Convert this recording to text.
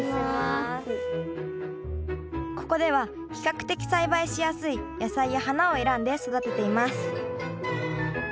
ここでは比較的栽培しやすい野菜や花を選んで育てています。